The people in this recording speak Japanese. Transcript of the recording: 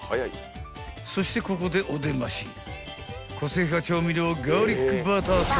［そしてここでお出まし］